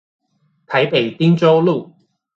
台北汀州路